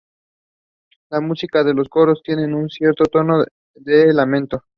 La música y los coros tienen un cierto tono de lamento.